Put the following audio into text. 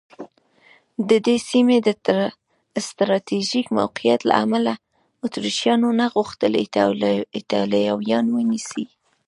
د دې سیمې د سټراټېژیک موقعیت له امله اتریشیانو نه غوښتل ایټالویان ونیسي.